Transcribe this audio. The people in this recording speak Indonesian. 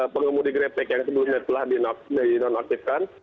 pengemudi grepek yang sebelumnya telah dinonaktifkan